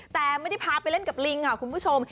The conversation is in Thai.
แต่ไม่ได้พาไปเล่นกับลิงค่ะคุณผู้ชม